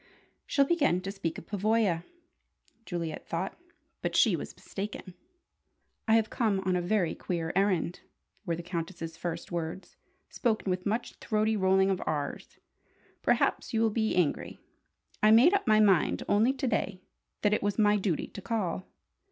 "She'll begin to speak of Pavoya," Juliet thought. But she was mistaken. "I have come on a very queer errand," were the Countess's first words, spoken with much throaty rolling of "rs". "Perhaps you will be angry. I made up my mind only to day that it was my duty to call."